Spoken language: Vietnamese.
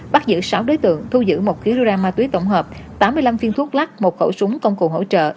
bắt giữ sáu đối tượng thu giữ một kg ma túy tổng hợp tám mươi năm phiên thuốc lắc một khẩu súng công cụ hỗ trợ